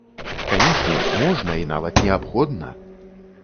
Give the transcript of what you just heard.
Канешне, можна, і нават неабходна.